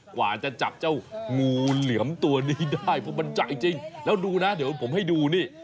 กว่าจะจับเจ้างูเหลือมตัวนี้ได้เพราะมันใหญ่จริงแล้วดูนะเดี๋ยวผมให้ดูนี่